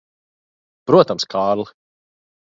Protams, Kārli.